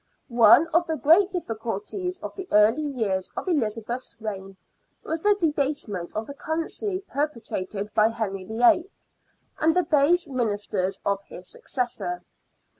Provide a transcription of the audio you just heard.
One of the greatest difficulties of the early years of Elizabeth's reign was the debasement of the currency perpetrated by Henry VIII. and the base ministers of his successor.